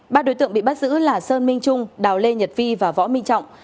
ba đối tượng bị bắt giữ là sơn minh trung đào lê nhật vi và võ minh trọng